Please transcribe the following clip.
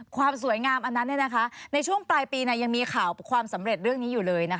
ความสวยงามอันนั้นในช่วงปลายปียังมีข่าวความสำเร็จเรื่องนี้อยู่เลย